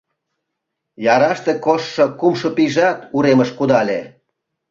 Яраште коштшо кумшо пийжат уремыш кудале.